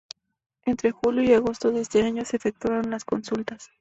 Entre julio y agosto de ese año se efectuaron las consultas.